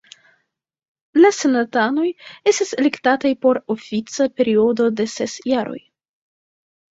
La senatanoj estas elektataj por ofica periodo de ses jaroj.